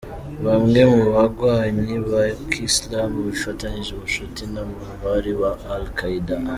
Bamwe mu bagwanyi ba kiislam bafitaniye ubucuti n'umuhari wa Al Qaeda.